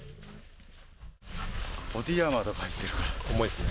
ボディーアーマーとか入ってるから重いっすね。